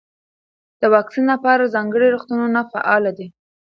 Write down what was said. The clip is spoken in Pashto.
د واکسین لپاره ځانګړي روغتونونه فعال دي.